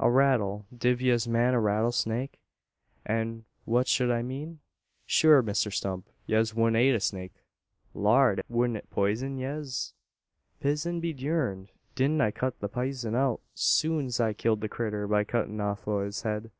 "A rattle. Div yez mane a rattle snake?" "An' what shed I mean?" "Shure, Misther Stump, yez wudn't ate a snake. Lard! wudn't it poison yez?" "Pisen be durned! Didn't I cut the pisen out, soon 's I killed the critter, by cuttin' off o' its head?"